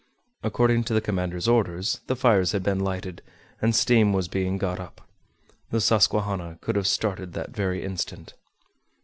According to the commander's orders, the fires had been lighted, and steam was being got up. The Susquehanna could have started that very instant.